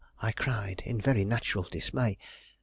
I cried, in very natural dismay.